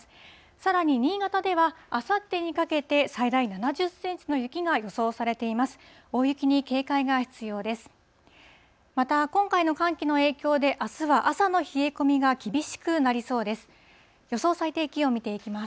さらに新潟ではあさってにかけて、最大７０センチの雪が予想されています。